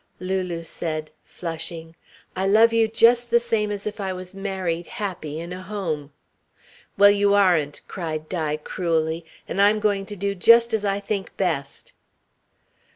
Lulu said, flushing: "I love you just the same as if I was married happy, in a home." "Well, you aren't!" cried Di cruelly, "and I'm going to do just as I think best."